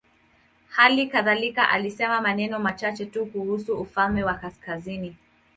Hali kadhalika alisema maneno machache tu kuhusu ufalme wa kaskazini.